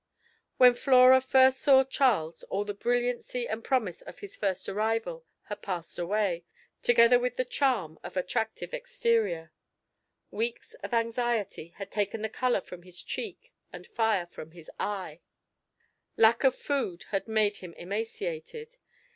When Flora first saw Charles all the brilliancy and promise of his first arrival had passed away, together with the charm of attractive exterior. Weeks of anxiety had taken the colour from his cheek and fire from his eye. Lack of food had made him emaciated.